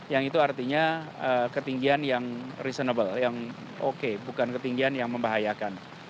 yang itu artinya ketinggian yang reasonable yang oke bukan ketinggian yang membahayakan